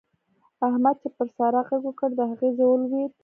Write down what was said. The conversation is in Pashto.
احمد چې پر سارا غږ وکړ؛ د هغې زړه ولوېد.